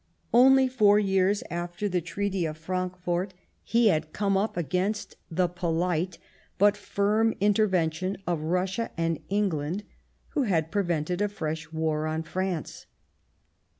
Only four years after the Treaty of Frankfort i8i Bismarck he had come up against the polite but firm inter vention of Russia and England, who had prevented a fresh war on France.